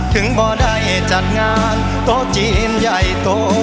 ถึงบ่อได้จัดงานตวยี่นไยโต